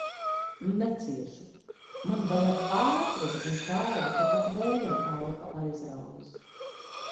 Neciešu! Man vajag ātrumu un tādu, ka pat vējam elpa aizraujas.